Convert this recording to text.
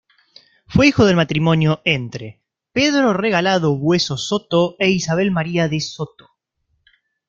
Fue hijo del matrimonio entre: Pedro Regalado Bueso Soto e Isabel María de Soto.